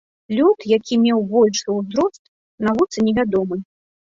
Лёд, які б меў большы ўзрост, навуцы невядомы.